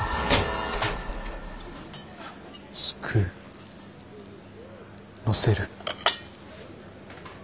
すくうのせる。